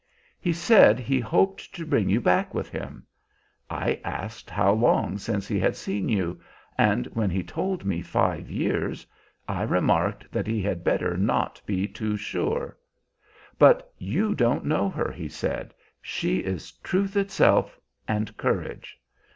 "He said he hoped to bring you back with him. I asked how long since he had seen you; and when he told me five years, I remarked that he had better not be too sure. 'But you don't know her,' he said; 'she is truth itself, and courage.